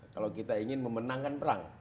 kalau kita ingin memenangkan perang